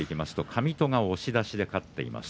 上戸が押し出しで勝っています。